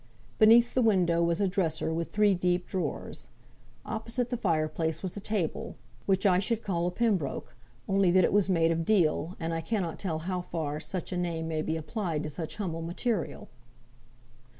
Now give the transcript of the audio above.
Beneath the window was a dresser with three deep drawers. Opposite the fire place was a table, which I should call a Pembroke, only that it was made of deal, and I cannot tell how far such a name may be applied to such humble material.